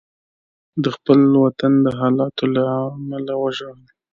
د خپل وطن د حالاتو له امله وژړل.